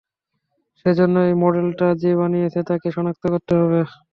সেজন্য এই মডেলটা যে বানিয়েছে তাকে শনাক্ত করতে হবে!